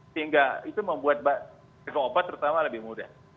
sehingga itu membuat risiko obat terutama lebih mudah